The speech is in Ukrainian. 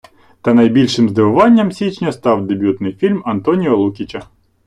Та найбільшим здивуванням січня став дебютний фільм Антоніо Лукіча.